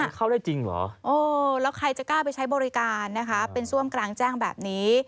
คือเข้าได้จริงเหรอโอ้แล้วใครจะกล้าไปใช้บริการนะคะเป็นซ่วมกลางแจ้งแบบนี้